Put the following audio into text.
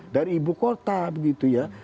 dari ibu kota begitu ya